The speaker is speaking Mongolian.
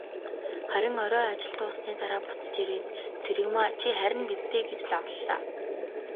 Харин орой ажил дууссаны дараа буцаж ирээд, "Цэрэгмаа чи харина биз дээ" гэж лавлалаа.